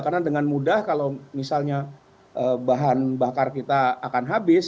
karena dengan mudah kalau misalnya bahan bakar kita akan habis